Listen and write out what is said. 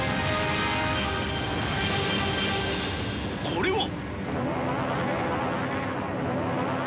これは。